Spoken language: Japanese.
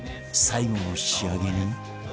最後の仕上げに